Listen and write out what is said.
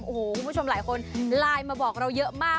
โอ้โหคุณผู้ชมหลายคนไลน์มาบอกเราเยอะมาก